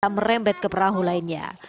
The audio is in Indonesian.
dan merembet ke perahu lainnya